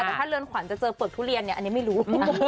แต่ถ้าเลินขวารจะเจอเผลอทุเรียนอันนี้ไม่รู้